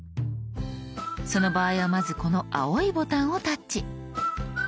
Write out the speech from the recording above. その場合はまずこの青いボタンをタッチ。